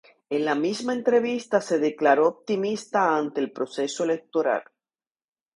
En la misma entrevista se declaró optimista ante el proceso electoral.